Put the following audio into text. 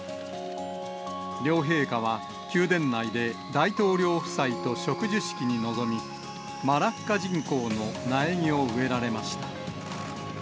両陛下は、宮殿内で大統領夫妻と植樹式に臨み、マラッカジンコウの苗木を植えられました。